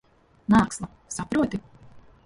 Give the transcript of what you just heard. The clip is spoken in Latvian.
Māksla. Saproti?